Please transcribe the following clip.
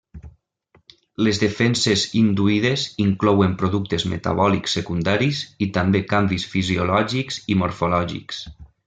Les defenses induïdes inclouen productes metabòlics secundaris i també canvis fisiològics i morfològics.